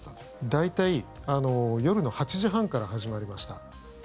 大体夜の８時半から始まりました。